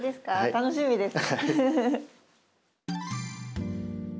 楽しみです。